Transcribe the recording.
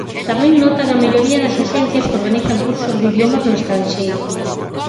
Tamén notan a melloría nas axencias que organizan cursos de idiomas no estranxeiro.